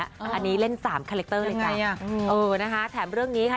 อันนี้เล่นสามคาแรคเตอร์เลยจ้ะเออนะคะแถมเรื่องนี้ค่ะ